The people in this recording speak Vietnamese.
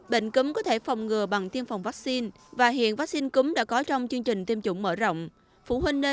bệnh cúm có thể phòng ngừa bằng tiêm phòng vaccine